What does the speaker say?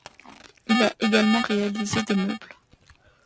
Il a également réalisé des meubles.